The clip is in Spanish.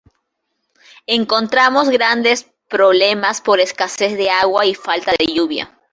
Encontramos grandes problemas por escasez de agua y la falta de lluvia.